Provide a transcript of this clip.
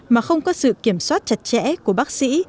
mà không có sự kiểm soát chặt chẽ của bác sĩ